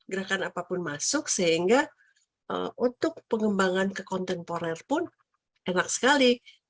gerakan apapun masuk sehingga untuk pengembangan ke kontemporer pun enak sekali